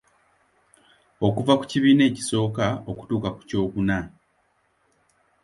Okuva ku kibiina ekisooka okutuuka ku kyokuna.